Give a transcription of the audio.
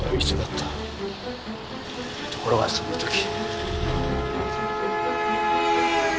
ところがその時。